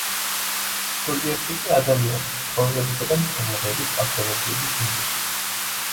ზოგიერთი კი ადამიანის, ცხოველებისა და მცენარეების პათოლოგიების მიზეზია.